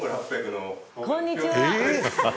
こんにちは